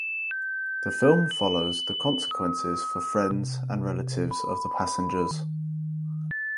The film follows the consequences for friends and relatives of the passengers.